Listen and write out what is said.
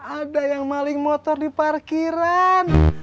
ada yang maling motor di parkiran